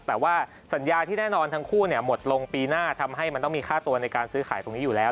แต่ว่าสัญญาที่แน่นอนทั้งคู่หมดลงปีหน้าทำให้มันต้องมีค่าตัวในการซื้อขายตรงนี้อยู่แล้ว